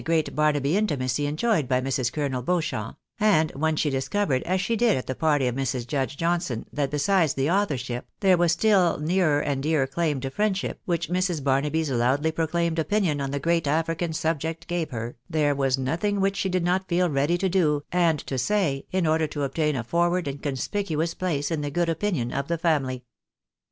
IZi great Barnaby intimacy enjoyed by Mrs. Colonel Beaiichamp ; and ■when slie discovered, as she did at the party of Mrs. Judge John son, that besides the authorship, there was the still nearer and dearer claim to friendship, which Mrs. Barnaby 's loudly proclaimed opinion on the gi eat African subject gave her, there was nothing which she did not feel ready to do, and to say, in order to obtain a forward and conspicuous place in the good opinion of the family.